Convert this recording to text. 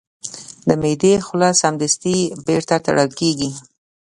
د معدې خوله سمدستي بیرته تړل کېږي.